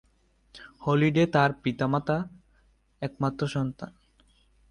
Holiday তার পিতামাতার একমাত্র সন্তান।